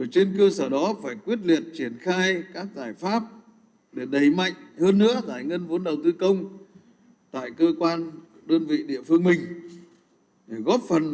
trên cơ sở đó phải quyết liệt triển khai các giải pháp để cải thiện giải ngân vốn đầu tư công